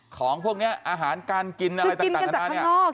ของพวกนี้อาหารการกินอะไรต่างนานาเนี่ย